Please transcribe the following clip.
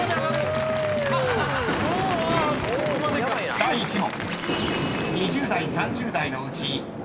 ［第１問］